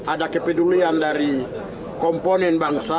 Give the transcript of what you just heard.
ada kepedulian dari komponen bangsa